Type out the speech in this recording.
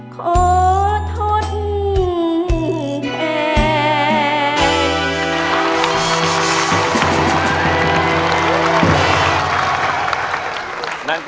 ขอทดแทน